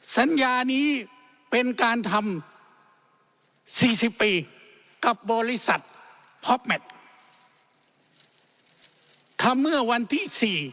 สัญญานี้เป็นการทำ๔๐ปีกับบริษัทภอพแมททำเมื่อวันที่๔